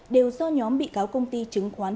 đều do nhóm bị cáo công ty chứng khoán